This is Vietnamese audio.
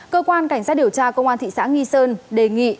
cơ quan cảnh sát điều tra công an thị xã nghi sơn đề nghị